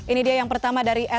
ini dia yang pertama dari